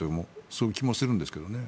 そういう気もするんですけどね。